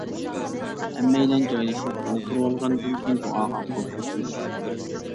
ھەممەيلەن جايلىشىپ ئولتۇرۇۋالغاندىن كېيىن دۇئاغا قول كۆتۈرۈشتى.